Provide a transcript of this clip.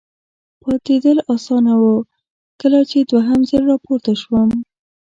پاتېدل اسانه و، کله چې دوهم ځل را پورته شوم.